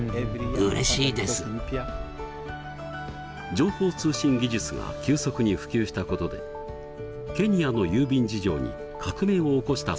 情報通信技術が急速に普及したことでケニアの郵便事情に革命を起こしたサービスがあります。